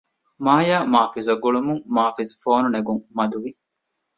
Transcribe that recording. މާޔާ މާޒިފް އަށް ގުޅުމުން މާޒިފް ފޯނު ނެގުން މަދު ވި